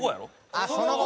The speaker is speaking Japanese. ああ「その後」。